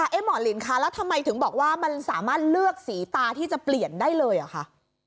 หมอลินคะแล้วทำไมถึงบอกว่ามันสามารถเลือกสีตาที่จะเปลี่ยนได้เลยเหรอคะ